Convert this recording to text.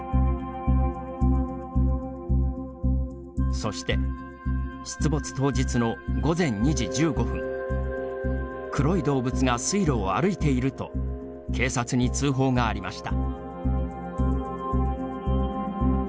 そして出没当日の午前２時１５分「黒い動物が水路を歩いている」と警察に通報がありました。